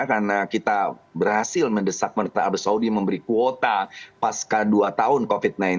karena kita berhasil mendesak menteri abu saudie memberi kuota pasca dua tahun covid sembilan belas